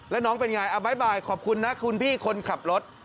แล้วน้องเป็นไงบ๊ายบายขอบคุณนะคุณพี่คนขับรถ